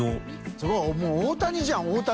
すごいもう大谷じゃん大谷。